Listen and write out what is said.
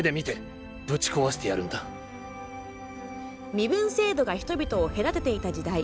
身分制度が人々を隔てていた時代。